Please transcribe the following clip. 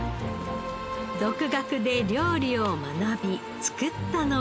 独学で料理を学び作ったのは。